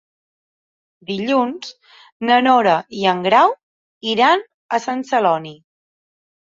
Dilluns na Nora i en Grau iran a Sant Celoni.